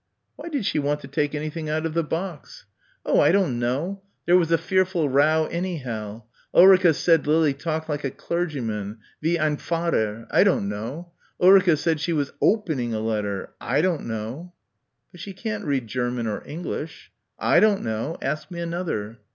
"Why did she want to take anything out of the box?" "Oh, I don't know. There was a fearful row anyhow. Ulrica said Lily talked like a clergyman wie ein Pfarrer.... I don't know. Ulrica said she was opening a letter. I don't know." "But she can't read German or English...." "I don't know. Ask me another."